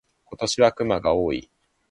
今年は熊が多い。